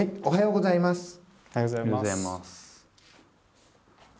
おはようございます。